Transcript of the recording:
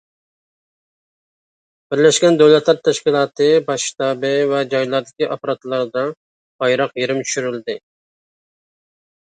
بىرلەشكەن دۆلەتلەر تەشكىلاتى باش ئىشتابى ۋە جايلاردىكى ئاپپاراتلىرىدا بايراق يېرىم چۈشۈرۈلدى.